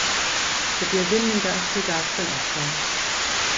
Dydi e ddim yn gallu darllen eto.